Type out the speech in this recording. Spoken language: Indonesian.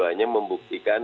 tapi kita harus membuktikan